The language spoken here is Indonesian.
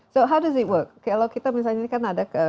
so how does it work kalau kita misalnya kan ada ke